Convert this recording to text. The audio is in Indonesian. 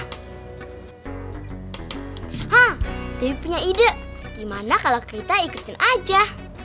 hah jadi punya ide gimana kalau kita ikutin aja